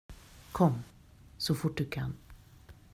Kom så fort du kan.